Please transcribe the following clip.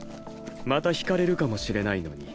また引かれるかもしれないのに。